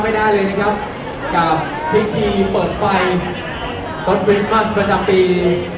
ไม่ได้เลยนะครับกับพิธีเปิดไฟรถคริสต์มัสประจำปี